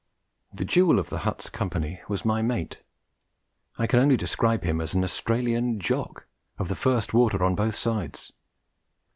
The jewel of the hut's company was my mate. I can only describe him as an Australian Jock, and of the first water on both sides.